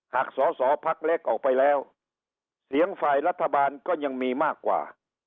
สอสอพักเล็กออกไปแล้วเสียงฝ่ายรัฐบาลก็ยังมีมากกว่า